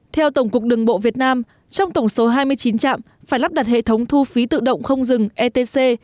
theo tổng cục đường bộ việt nam trong tổng số hai mươi chín trạm phải lắp đặt hệ thống thu phí tự động không dừng etc